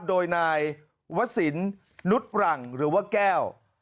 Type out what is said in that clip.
โดยนายวศิลปนุษย์หลังหรือว่าแก้ว